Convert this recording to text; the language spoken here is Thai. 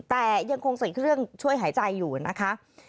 แต่ยังคงใส่เครื่องช่วยหายใจอยู่นะคะ